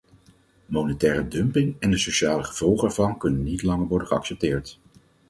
Monetaire dumping en de sociale gevolgen ervan kunnen niet langer worden geaccepteerd.